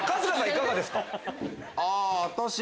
いかがですか？